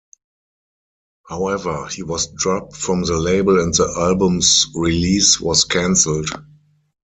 However, he was dropped from the label and the album's release was canceled.